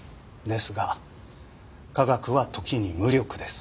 ですが科学は時に無力です。